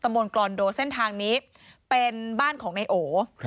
มนกรอนโดเส้นทางนี้เป็นบ้านของนายโอ